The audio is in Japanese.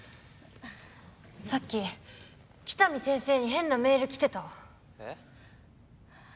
さっき喜多見先生に変なメール来てた・えっ？